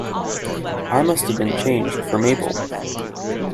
I must have been changed for Mabel!